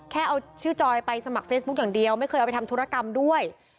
แค่เอาชื่อจอยไปสมัครเฟซบุ๊คอย่างเดียวไม่เคยเอาไปทำธุรกรรมด้วย